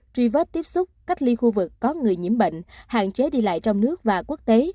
truy vết tiếp xúc cách ly khu vực có người nhiễm bệnh hạn chế đi lại trong nước và quốc tế